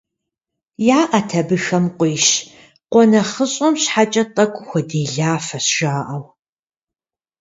ЯӀэт абыхэм къуищ, къуэ нэхъыщӀэм щхьэкӀэ тӀэкӀу хуэделафэщ жаӀэу.